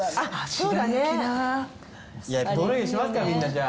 一本鰻にしますかみんなじゃあ。